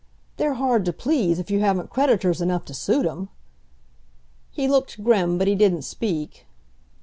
They're hard to please, if you haven't creditors enough to suit 'em!" He looked grim, but he didn't speak.